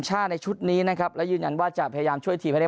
ชาติในชุดนี้นะครับและยืนยันว่าจะพยายามช่วยทีมให้ได้